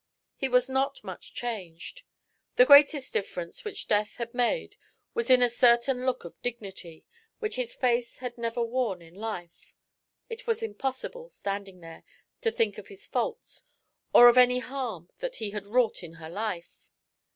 He was not much changed; the greatest difference which death had made was in a certain look of dignity, which his face had never worn in life. It was impossible, standing there, to think of his faults, or of any harm that he had wrought in her life.